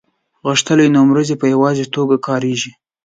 غښتلي نومځري په یوازې توګه کاریږي.